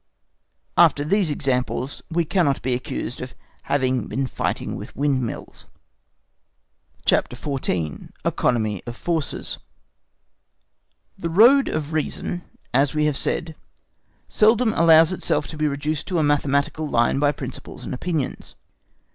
After these examples we cannot be accused of having been fighting with windmills. CHAPTER XIV. Economy of Forces The road of reason, as we have said, seldom allows itself to be reduced to a mathematical line by principles and opinions.